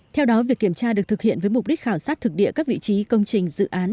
theo đó việc kiểm tra được thực hiện với mục đích khảo sát thực địa các vị trí công trình dự án